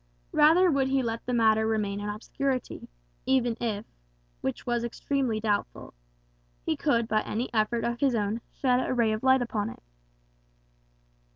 Rather would he let the matter remain in obscurity, even if (which was extremely doubtful) he could by any effort of his own shed a ray of light upon it.